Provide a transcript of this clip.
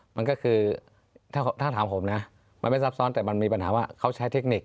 มันก็คือถ้าถามผมนะมันไม่ซับซ้อนแต่มันมีปัญหาว่าเขาใช้เทคนิค